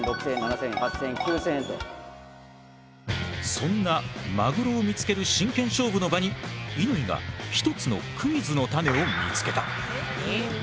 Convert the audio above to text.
そんなマグロを見つける真剣勝負の場に乾が一つのクイズのタネを見つけた。